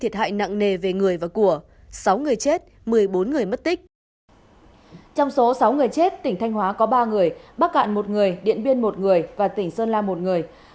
trong số sáu người chết tỉnh thanh hóa có ba người bắc cạn một người điện biên một người và tỉnh sơn la một người